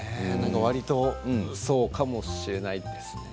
割とそうかもしれないですね。